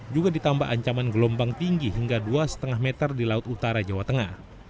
juga ditambah ancaman gelombang tinggi hingga dua lima meter di laut utara jawa tengah